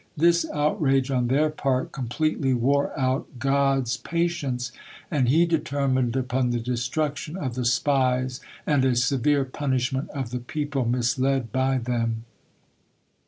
This outrage on their part completely wore out God's patience, and He determined upon the destruction of the spies, and a severe punishment of the people misled by them.